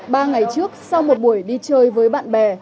ba ngày trước sau một buổi đi chơi với bạn bè